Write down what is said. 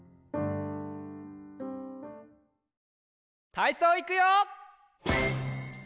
たいそういくよ！